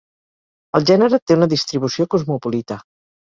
El gènere té una distribució cosmopolita.